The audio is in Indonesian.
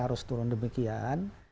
harus turun demikian